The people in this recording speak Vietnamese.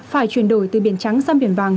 phải chuyển đổi từ biển trắng sang biển vàng